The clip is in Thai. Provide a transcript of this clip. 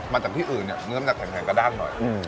จากที่อื่นเนี่ยเนื้อมันจะแข็งกระด้างหน่อย